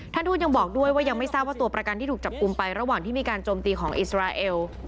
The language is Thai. ทวดยังบอกด้วยว่ายังไม่ทราบว่าตัวประกันที่ถูกจับกลุ่มไประหว่างที่มีการโจมตีของอิสราเอล